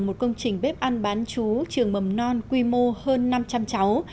một công trình bếp ăn bán chú trường mầm non quy mô hơn năm trăm linh cháu